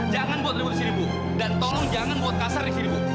jangan buat ribu di sini ibu dan tolong jangan buat kasar di sini ibu